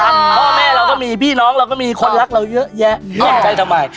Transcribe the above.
พ่อแม่เราก็มีพี่น้องเราก็มีคนรักเราเยอะแยะมั่นใจทำไม